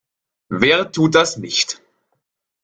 Wer tut das nicht?